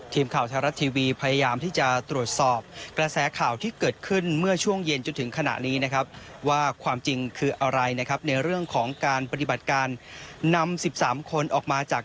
ทีมข่าวไทยรัฐทีวีพยายามที่จะตรวจสอบกระแสข่าวที่เกิดขึ้นเมื่อช่วงเย็นจนถึงขณะนี้นะครับว่าความจริงคืออะไรนะครับในเรื่องของการปฏิบัติการนำ๑๓คนออกมาจาก